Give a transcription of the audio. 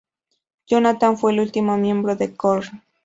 Jonathan fue el último miembro de Korn.